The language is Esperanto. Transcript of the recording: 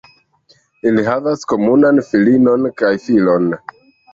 Ili havas komunan filinon kaj filon.